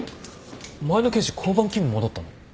前の刑事交番勤務戻ったの？